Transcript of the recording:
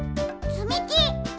つみき！